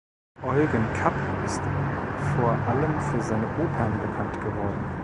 Eugen Kapp ist vor allem für seine Opern bekannt geworden.